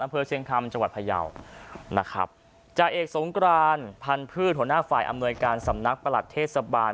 เชียงคำจังหวัดพยาวนะครับจ่าเอกสงกรานพันธุ์พืชหัวหน้าฝ่ายอำนวยการสำนักประหลัดเทศบาล